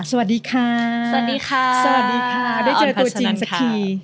สวัสดีค่ะได้เจอตัวจริงสักที